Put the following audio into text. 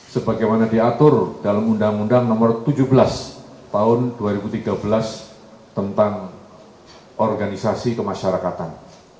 sebagaimana diatur dalam undang undang nomor tujuh belas tahun dua ribu tiga belas tentang organisasi kemasyarakatan